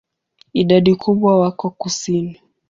Idadi kubwa wako kusini.